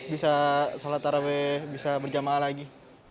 bisa sholat taraweh bisa berjamaah lagi